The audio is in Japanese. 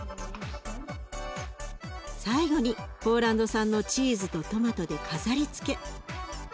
最後にポーランド産のチーズとトマトで飾りつけ。